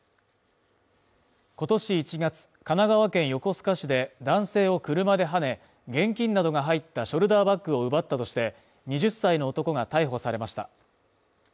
今年１月神奈川県横須賀市で男性を車ではね、現金などが入ったショルダーバッグを奪ったとして２０歳の男が逮捕されました。